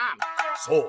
「そう。